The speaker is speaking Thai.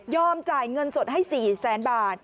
จ่ายเงินสดให้๔แสนบาท